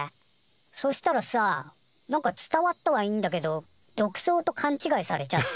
そしたらさなんか伝わったはいいんだけど毒草とかんちがいされちゃって。